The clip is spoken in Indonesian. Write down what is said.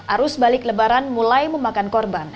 arus balik lebaran mulai memakan korban